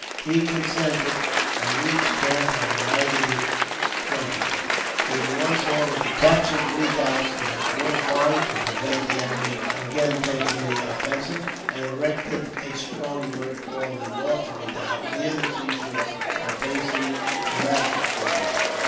He consented, and reached camp on the night of the 20th. He at once ordered the captured redoubts to be fortified, to prevent the enemy again taking the offensive; and erected a strong work, called the North Redoubt, near the seashore and facing the Madras redoubt.